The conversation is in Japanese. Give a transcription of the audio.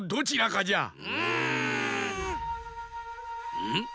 うん？